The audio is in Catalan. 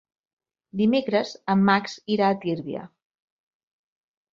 Dimecres en Max irà a Tírvia.